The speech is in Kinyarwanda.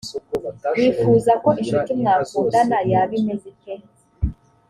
wifuza ko incuti mwakundana yaba imeze ite?